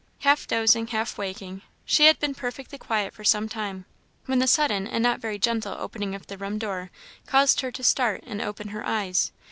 Half dozing, half waking, she had been perfectly quiet for some time, when the sudden and not very gentle opening of the room door caused her to start and open her eyes.